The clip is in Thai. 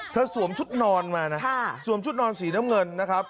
สวมชุดนอนมานะสวมชุดนอนสีน้ำเงินนะครับ